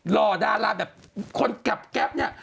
หลอกดาราแบบคนกับแก๊ปนี่